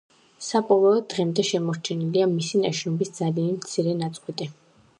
საბოლოოდ დღემდე შემორჩენილია მისი ნაშრომის ძალიან მცირე ნაწყვეტი.